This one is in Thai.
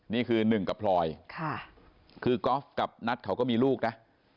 นี่คือหนึ่งกับพลอยคือก๊อฟกับนัทเขาก็มีลูกนะ